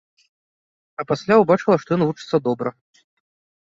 А пасля ўбачыла, што ён вучыцца добра.